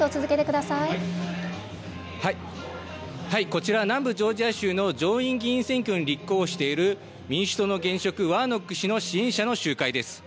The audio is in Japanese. こちら、南部ジョージア州の上院議員選挙に立候補している民主党の現職、ワーノック氏の支援者の集会です。